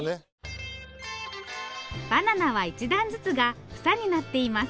バナナは一段ずつが房になっています。